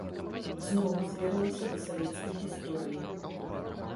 Зноў звернемся да савецкай гісторыі.